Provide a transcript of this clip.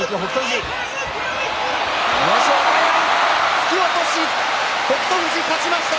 突き落とし、北勝富士勝ちました。